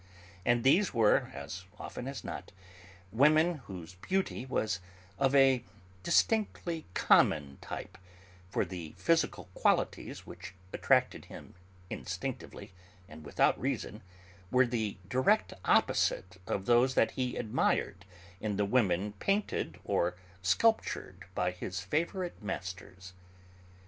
And these were, as often as not, women whose beauty was of a distinctly 'common' type, for the physical qualities which attracted him instinctively, and without reason, were the direct opposite of those that he admired in the women painted or sculptured by his favourite masters.